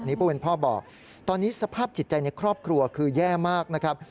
นี่ผู้เป็นพ่อบอกตอนนี้สภาพจิตใจในครอบครัวคือแย่มากนะครับ